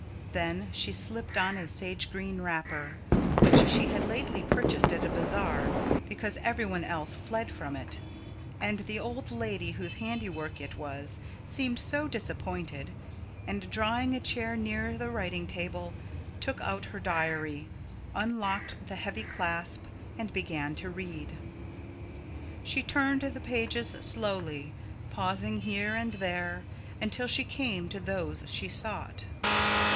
Then she slipped on a sage green wrapper, which she had lately purchased at a bazaar because every one else fled from it, and the old lady whose handiwork it was seemed so disappointed, and, drawing a chair near the writing table, took out her diary, unlocked the heavy clasp, and began to read. She turned the pages slowly, pausing here and there, until she came to those she sought.